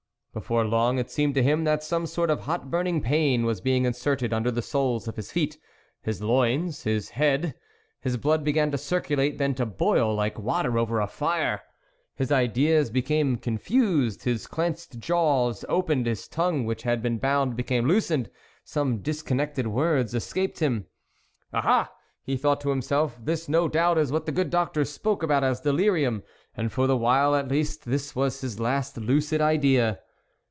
Before long it seemed to him that some sort of hot burning pan was being inserted under the soles of his feet, his loins, his head ; his blood began to circulate, then to boil, like water over a fire. His ideas became confused, his clenched jaws opened ; his tongue which had been bound became loosened; some disconnected words escaped him. " Ah, ah !" he thought to himself, "this no doubt is what the good doctor spoke about as delirium; and, for the while at least, this was his last lucid idea.